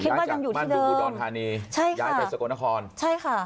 คิดว่ายังอยู่ที่เดิมใช่ค่ะย้ายไปสโกนคลใช่ค่ะ